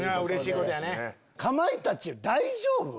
かまいたち大丈夫？